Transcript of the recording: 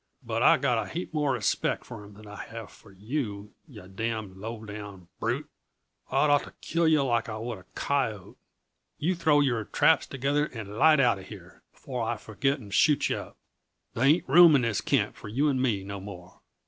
"But I've got a heap more respect for him than I have for you, yuh damn', low down brute. I'd ought to kill yuh like I would a coyote. Yuh throw your traps together and light out uh here, before I forget and shoot yuh up. There ain't room in this camp for you and me no more."